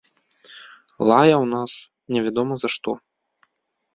Лаяў нас невядома за што.